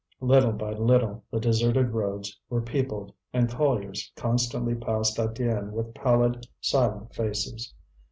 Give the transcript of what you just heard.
Little by little the deserted roads were peopled, and colliers constantly passed Étienne with pallid, silent faces.